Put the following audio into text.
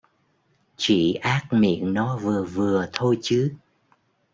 chị ác miệng nó vừa vừa thôi chứ